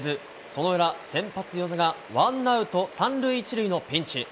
その裏、先発、與座がワンアウト３塁１塁のピンチ。